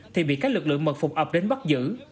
thì bị các lực lượng mật phục ập đến bắt giữ